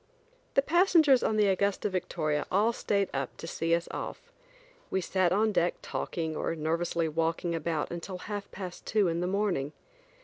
The passengers on the Augusta Victoria all stayed up to see us off. We sat on deck talking or nervously walking about until half past two in the morning.